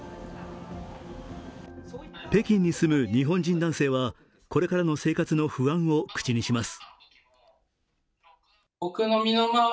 北京に住む日本人男性は、これからの生活の不安を口にします。